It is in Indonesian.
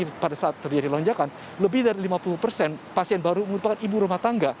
pada saat terjadi lonjakan lebih dari lima puluh persen pasien baru merupakan ibu rumah tangga